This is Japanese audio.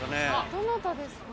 どなたですかね。